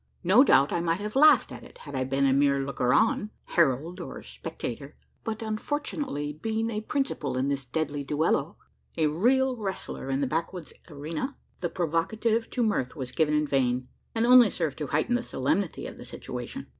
No doubt, I might have laughed at it, had I been a mere looker on herald or spectator; but, unfortunately, being a principal in this deadly duello a real wrestler in the backwoods arena the provocative to mirth was given in vain; and only served to heighten the solemnity of the situation.